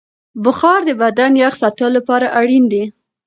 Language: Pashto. بخار د بدن یخ ساتلو لپاره اړین دی.